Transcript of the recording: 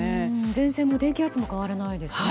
前線も低気圧も変わらないですね。